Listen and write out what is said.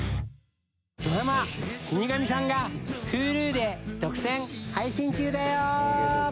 ドラマ『死神さん』がＨｕｌｕで独占配信中だよ！